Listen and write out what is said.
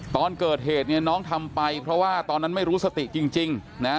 ตอนเกิดเหตุเนี่ยน้องทำไปเพราะว่าตอนนั้นไม่รู้สติจริงนะ